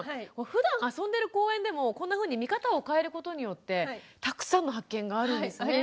ふだんあそんでる公園でもこんなふうに見方を変えることによってたくさんの発見があるんですね。